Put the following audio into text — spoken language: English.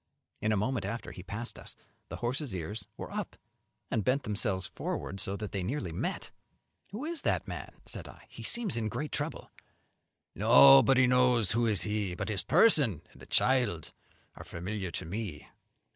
In a moment after he passed us, the horses' ears were up and bent themselves forward so that they nearly met. "Who is that man?" said I; "he seems in great trouble." "Nobody knows who is he, but his person and the child are familiar to me.